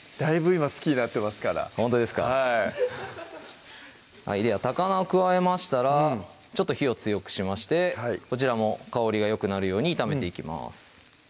今好きになってますからほんとですかでは高菜を加えましたらちょっと火を強くしましてこちらも香りがよくなるように炒めていきます